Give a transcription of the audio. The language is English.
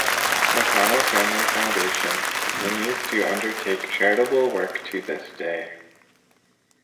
McConnell Family Foundation continues to undertake charitable work to this day.